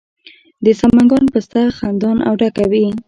د سمنګان پسته خندان او ډکه وي.